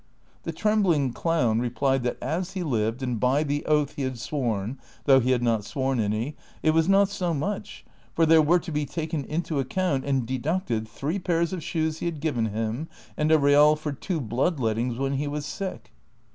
The trendiling clown replied that as he lived and by the oath he had sworn (though he had not sworn any) it was not so much ; for there were to be taken into account and deducted three pairs of shoes he had given him, and a real for two blood lettings Avhen he was sick.